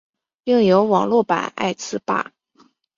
另有网络版爱词霸。